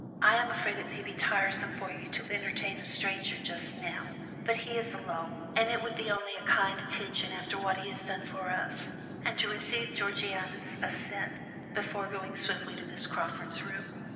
I am afraid it may be tiresome for you to entertain a stranger just now, but he is alone, and it would be only a kind attention, after what he has done for us," and to receive Georgiana's assent, before going swiftly to Miss Crawford's room.